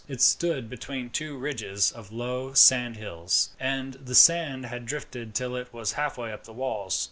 It stood between two ridges of low sand hills, and the sand had drifted till it was halfway up the walls.